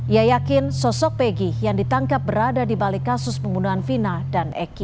ia yakin sosok pegi yang ditangkap berada di balik kasus pembunuhan vina dan eki